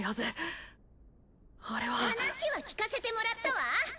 話は聞かせてもらったわ！